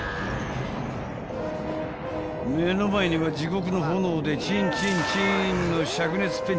［目の前には地獄の炎でチンチンチーンの］